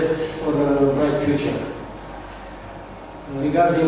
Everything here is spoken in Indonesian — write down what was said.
semoga berjaya untuk masa depan